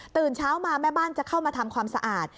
เช้ามาแม่บ้านจะเข้ามาทำความสะอาด